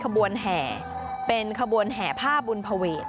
ขบวนแห่เป็นขบวนแห่ผ้าบุญภเวท